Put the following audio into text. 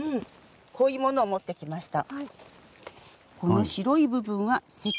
こういうものを持ってきました。